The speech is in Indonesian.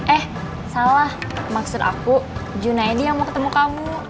eh salah maksud aku junaidi yang mau ketemu kamu